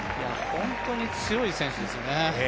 本当に強い選手ですよね。